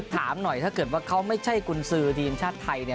ถามหน่อยถ้าเกิดว่าเขาไม่ใช่กุญสือทีมชาติไทย